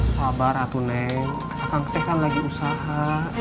sabar aku neng akan setelah usaha